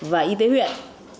và y tế huyện